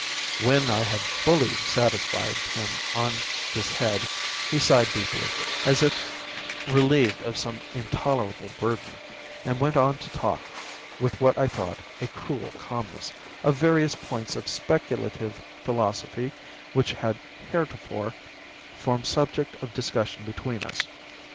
When I had fully satisfied him on this head, he sighed deeply, as if relieved of some intolerable burden, and went on to talk, with what I thought a cruel calmness, of various points of speculative philosophy, which had heretofore formed subject of discussion between us.